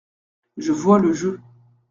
Je vois le jeu.